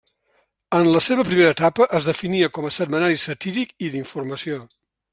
En la seva primera etapa es definia com a setmanari satíric i d'informació.